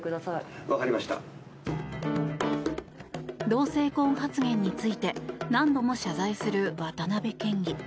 同性婚発言について何度も謝罪する渡辺県議。